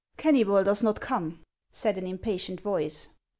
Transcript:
" Kennybol does not come," said an impatient voice.